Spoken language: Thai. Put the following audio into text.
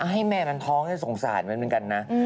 ให้แม่มันท้องให้สงสารมันเหมือนกันนะ